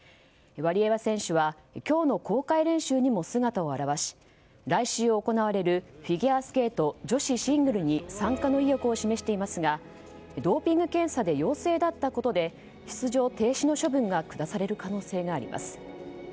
ワリエワ選手は今日の公開練習にも姿を現し来週行われるフィギュアスケート女子シングルに参加の意欲を示していますがドーピング検査で陽性だったことで出場停止の処分が下される可能性があります。